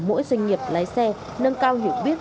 mỗi doanh nghiệp lái xe nâng cao hiểu biết